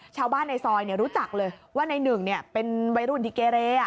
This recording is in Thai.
ชาวบ้านในซอยรู้จักเลยว่าในหนึ่งเป็นวัยรุ่นที่เกเร